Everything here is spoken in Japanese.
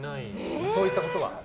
そういったことは。